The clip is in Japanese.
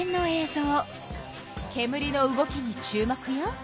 けむりの動きに注目よ。